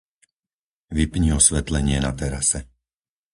Vypni osvetlenie na terase.